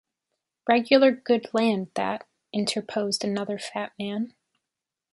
‘Regular good land that,’ interposed another fat man.